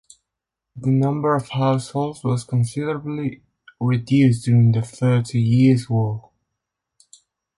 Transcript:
The number of households was considerably reduced during the Thirty Years' War.